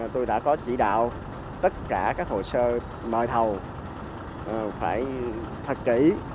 tôi đã có chỉ đạo tất cả các hồ sơ mời thầu phải thật kỹ